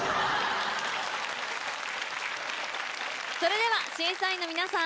それでは審査員の皆さん